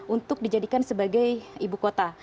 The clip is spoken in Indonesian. untuk dijadikan sebagai ibu kota